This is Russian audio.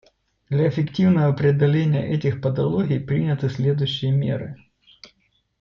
Для эффективного преодоления этих патологий приняты следующие меры.